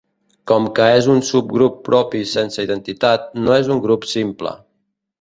Com que és un subgrup propi sense identitat, no és un grup simple.